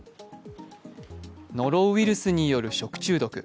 ノロウイルスによる食中毒。